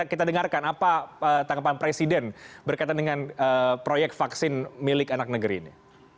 kita dengarkan apa tanggapan presiden berkaitan dengan proyek vaksin milik anak negeri ini